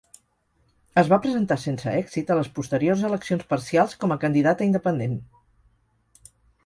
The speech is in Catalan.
Es va presentar sense èxit a les posteriors eleccions parcials com a candidata independent.